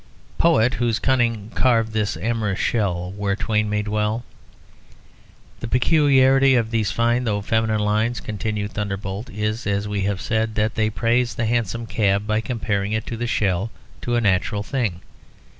"Poet, whose cunning carved this amorous shell, Where twain may dwell." "The peculiarity of these fine though feminine lines," continued "Thunderbolt," "is, as we have said, that they praise the hansom cab by comparing it to the shell, to a natural thing.